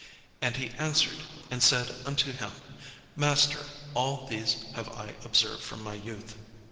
'" And he answered and said unto him, "Master, all these have I observed from my youth."